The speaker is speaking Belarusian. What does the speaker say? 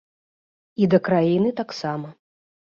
І да краіны таксама.